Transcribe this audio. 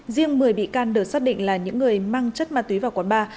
riêng một mươi bị can được xác định là những người mang chất ma túy vào quán ba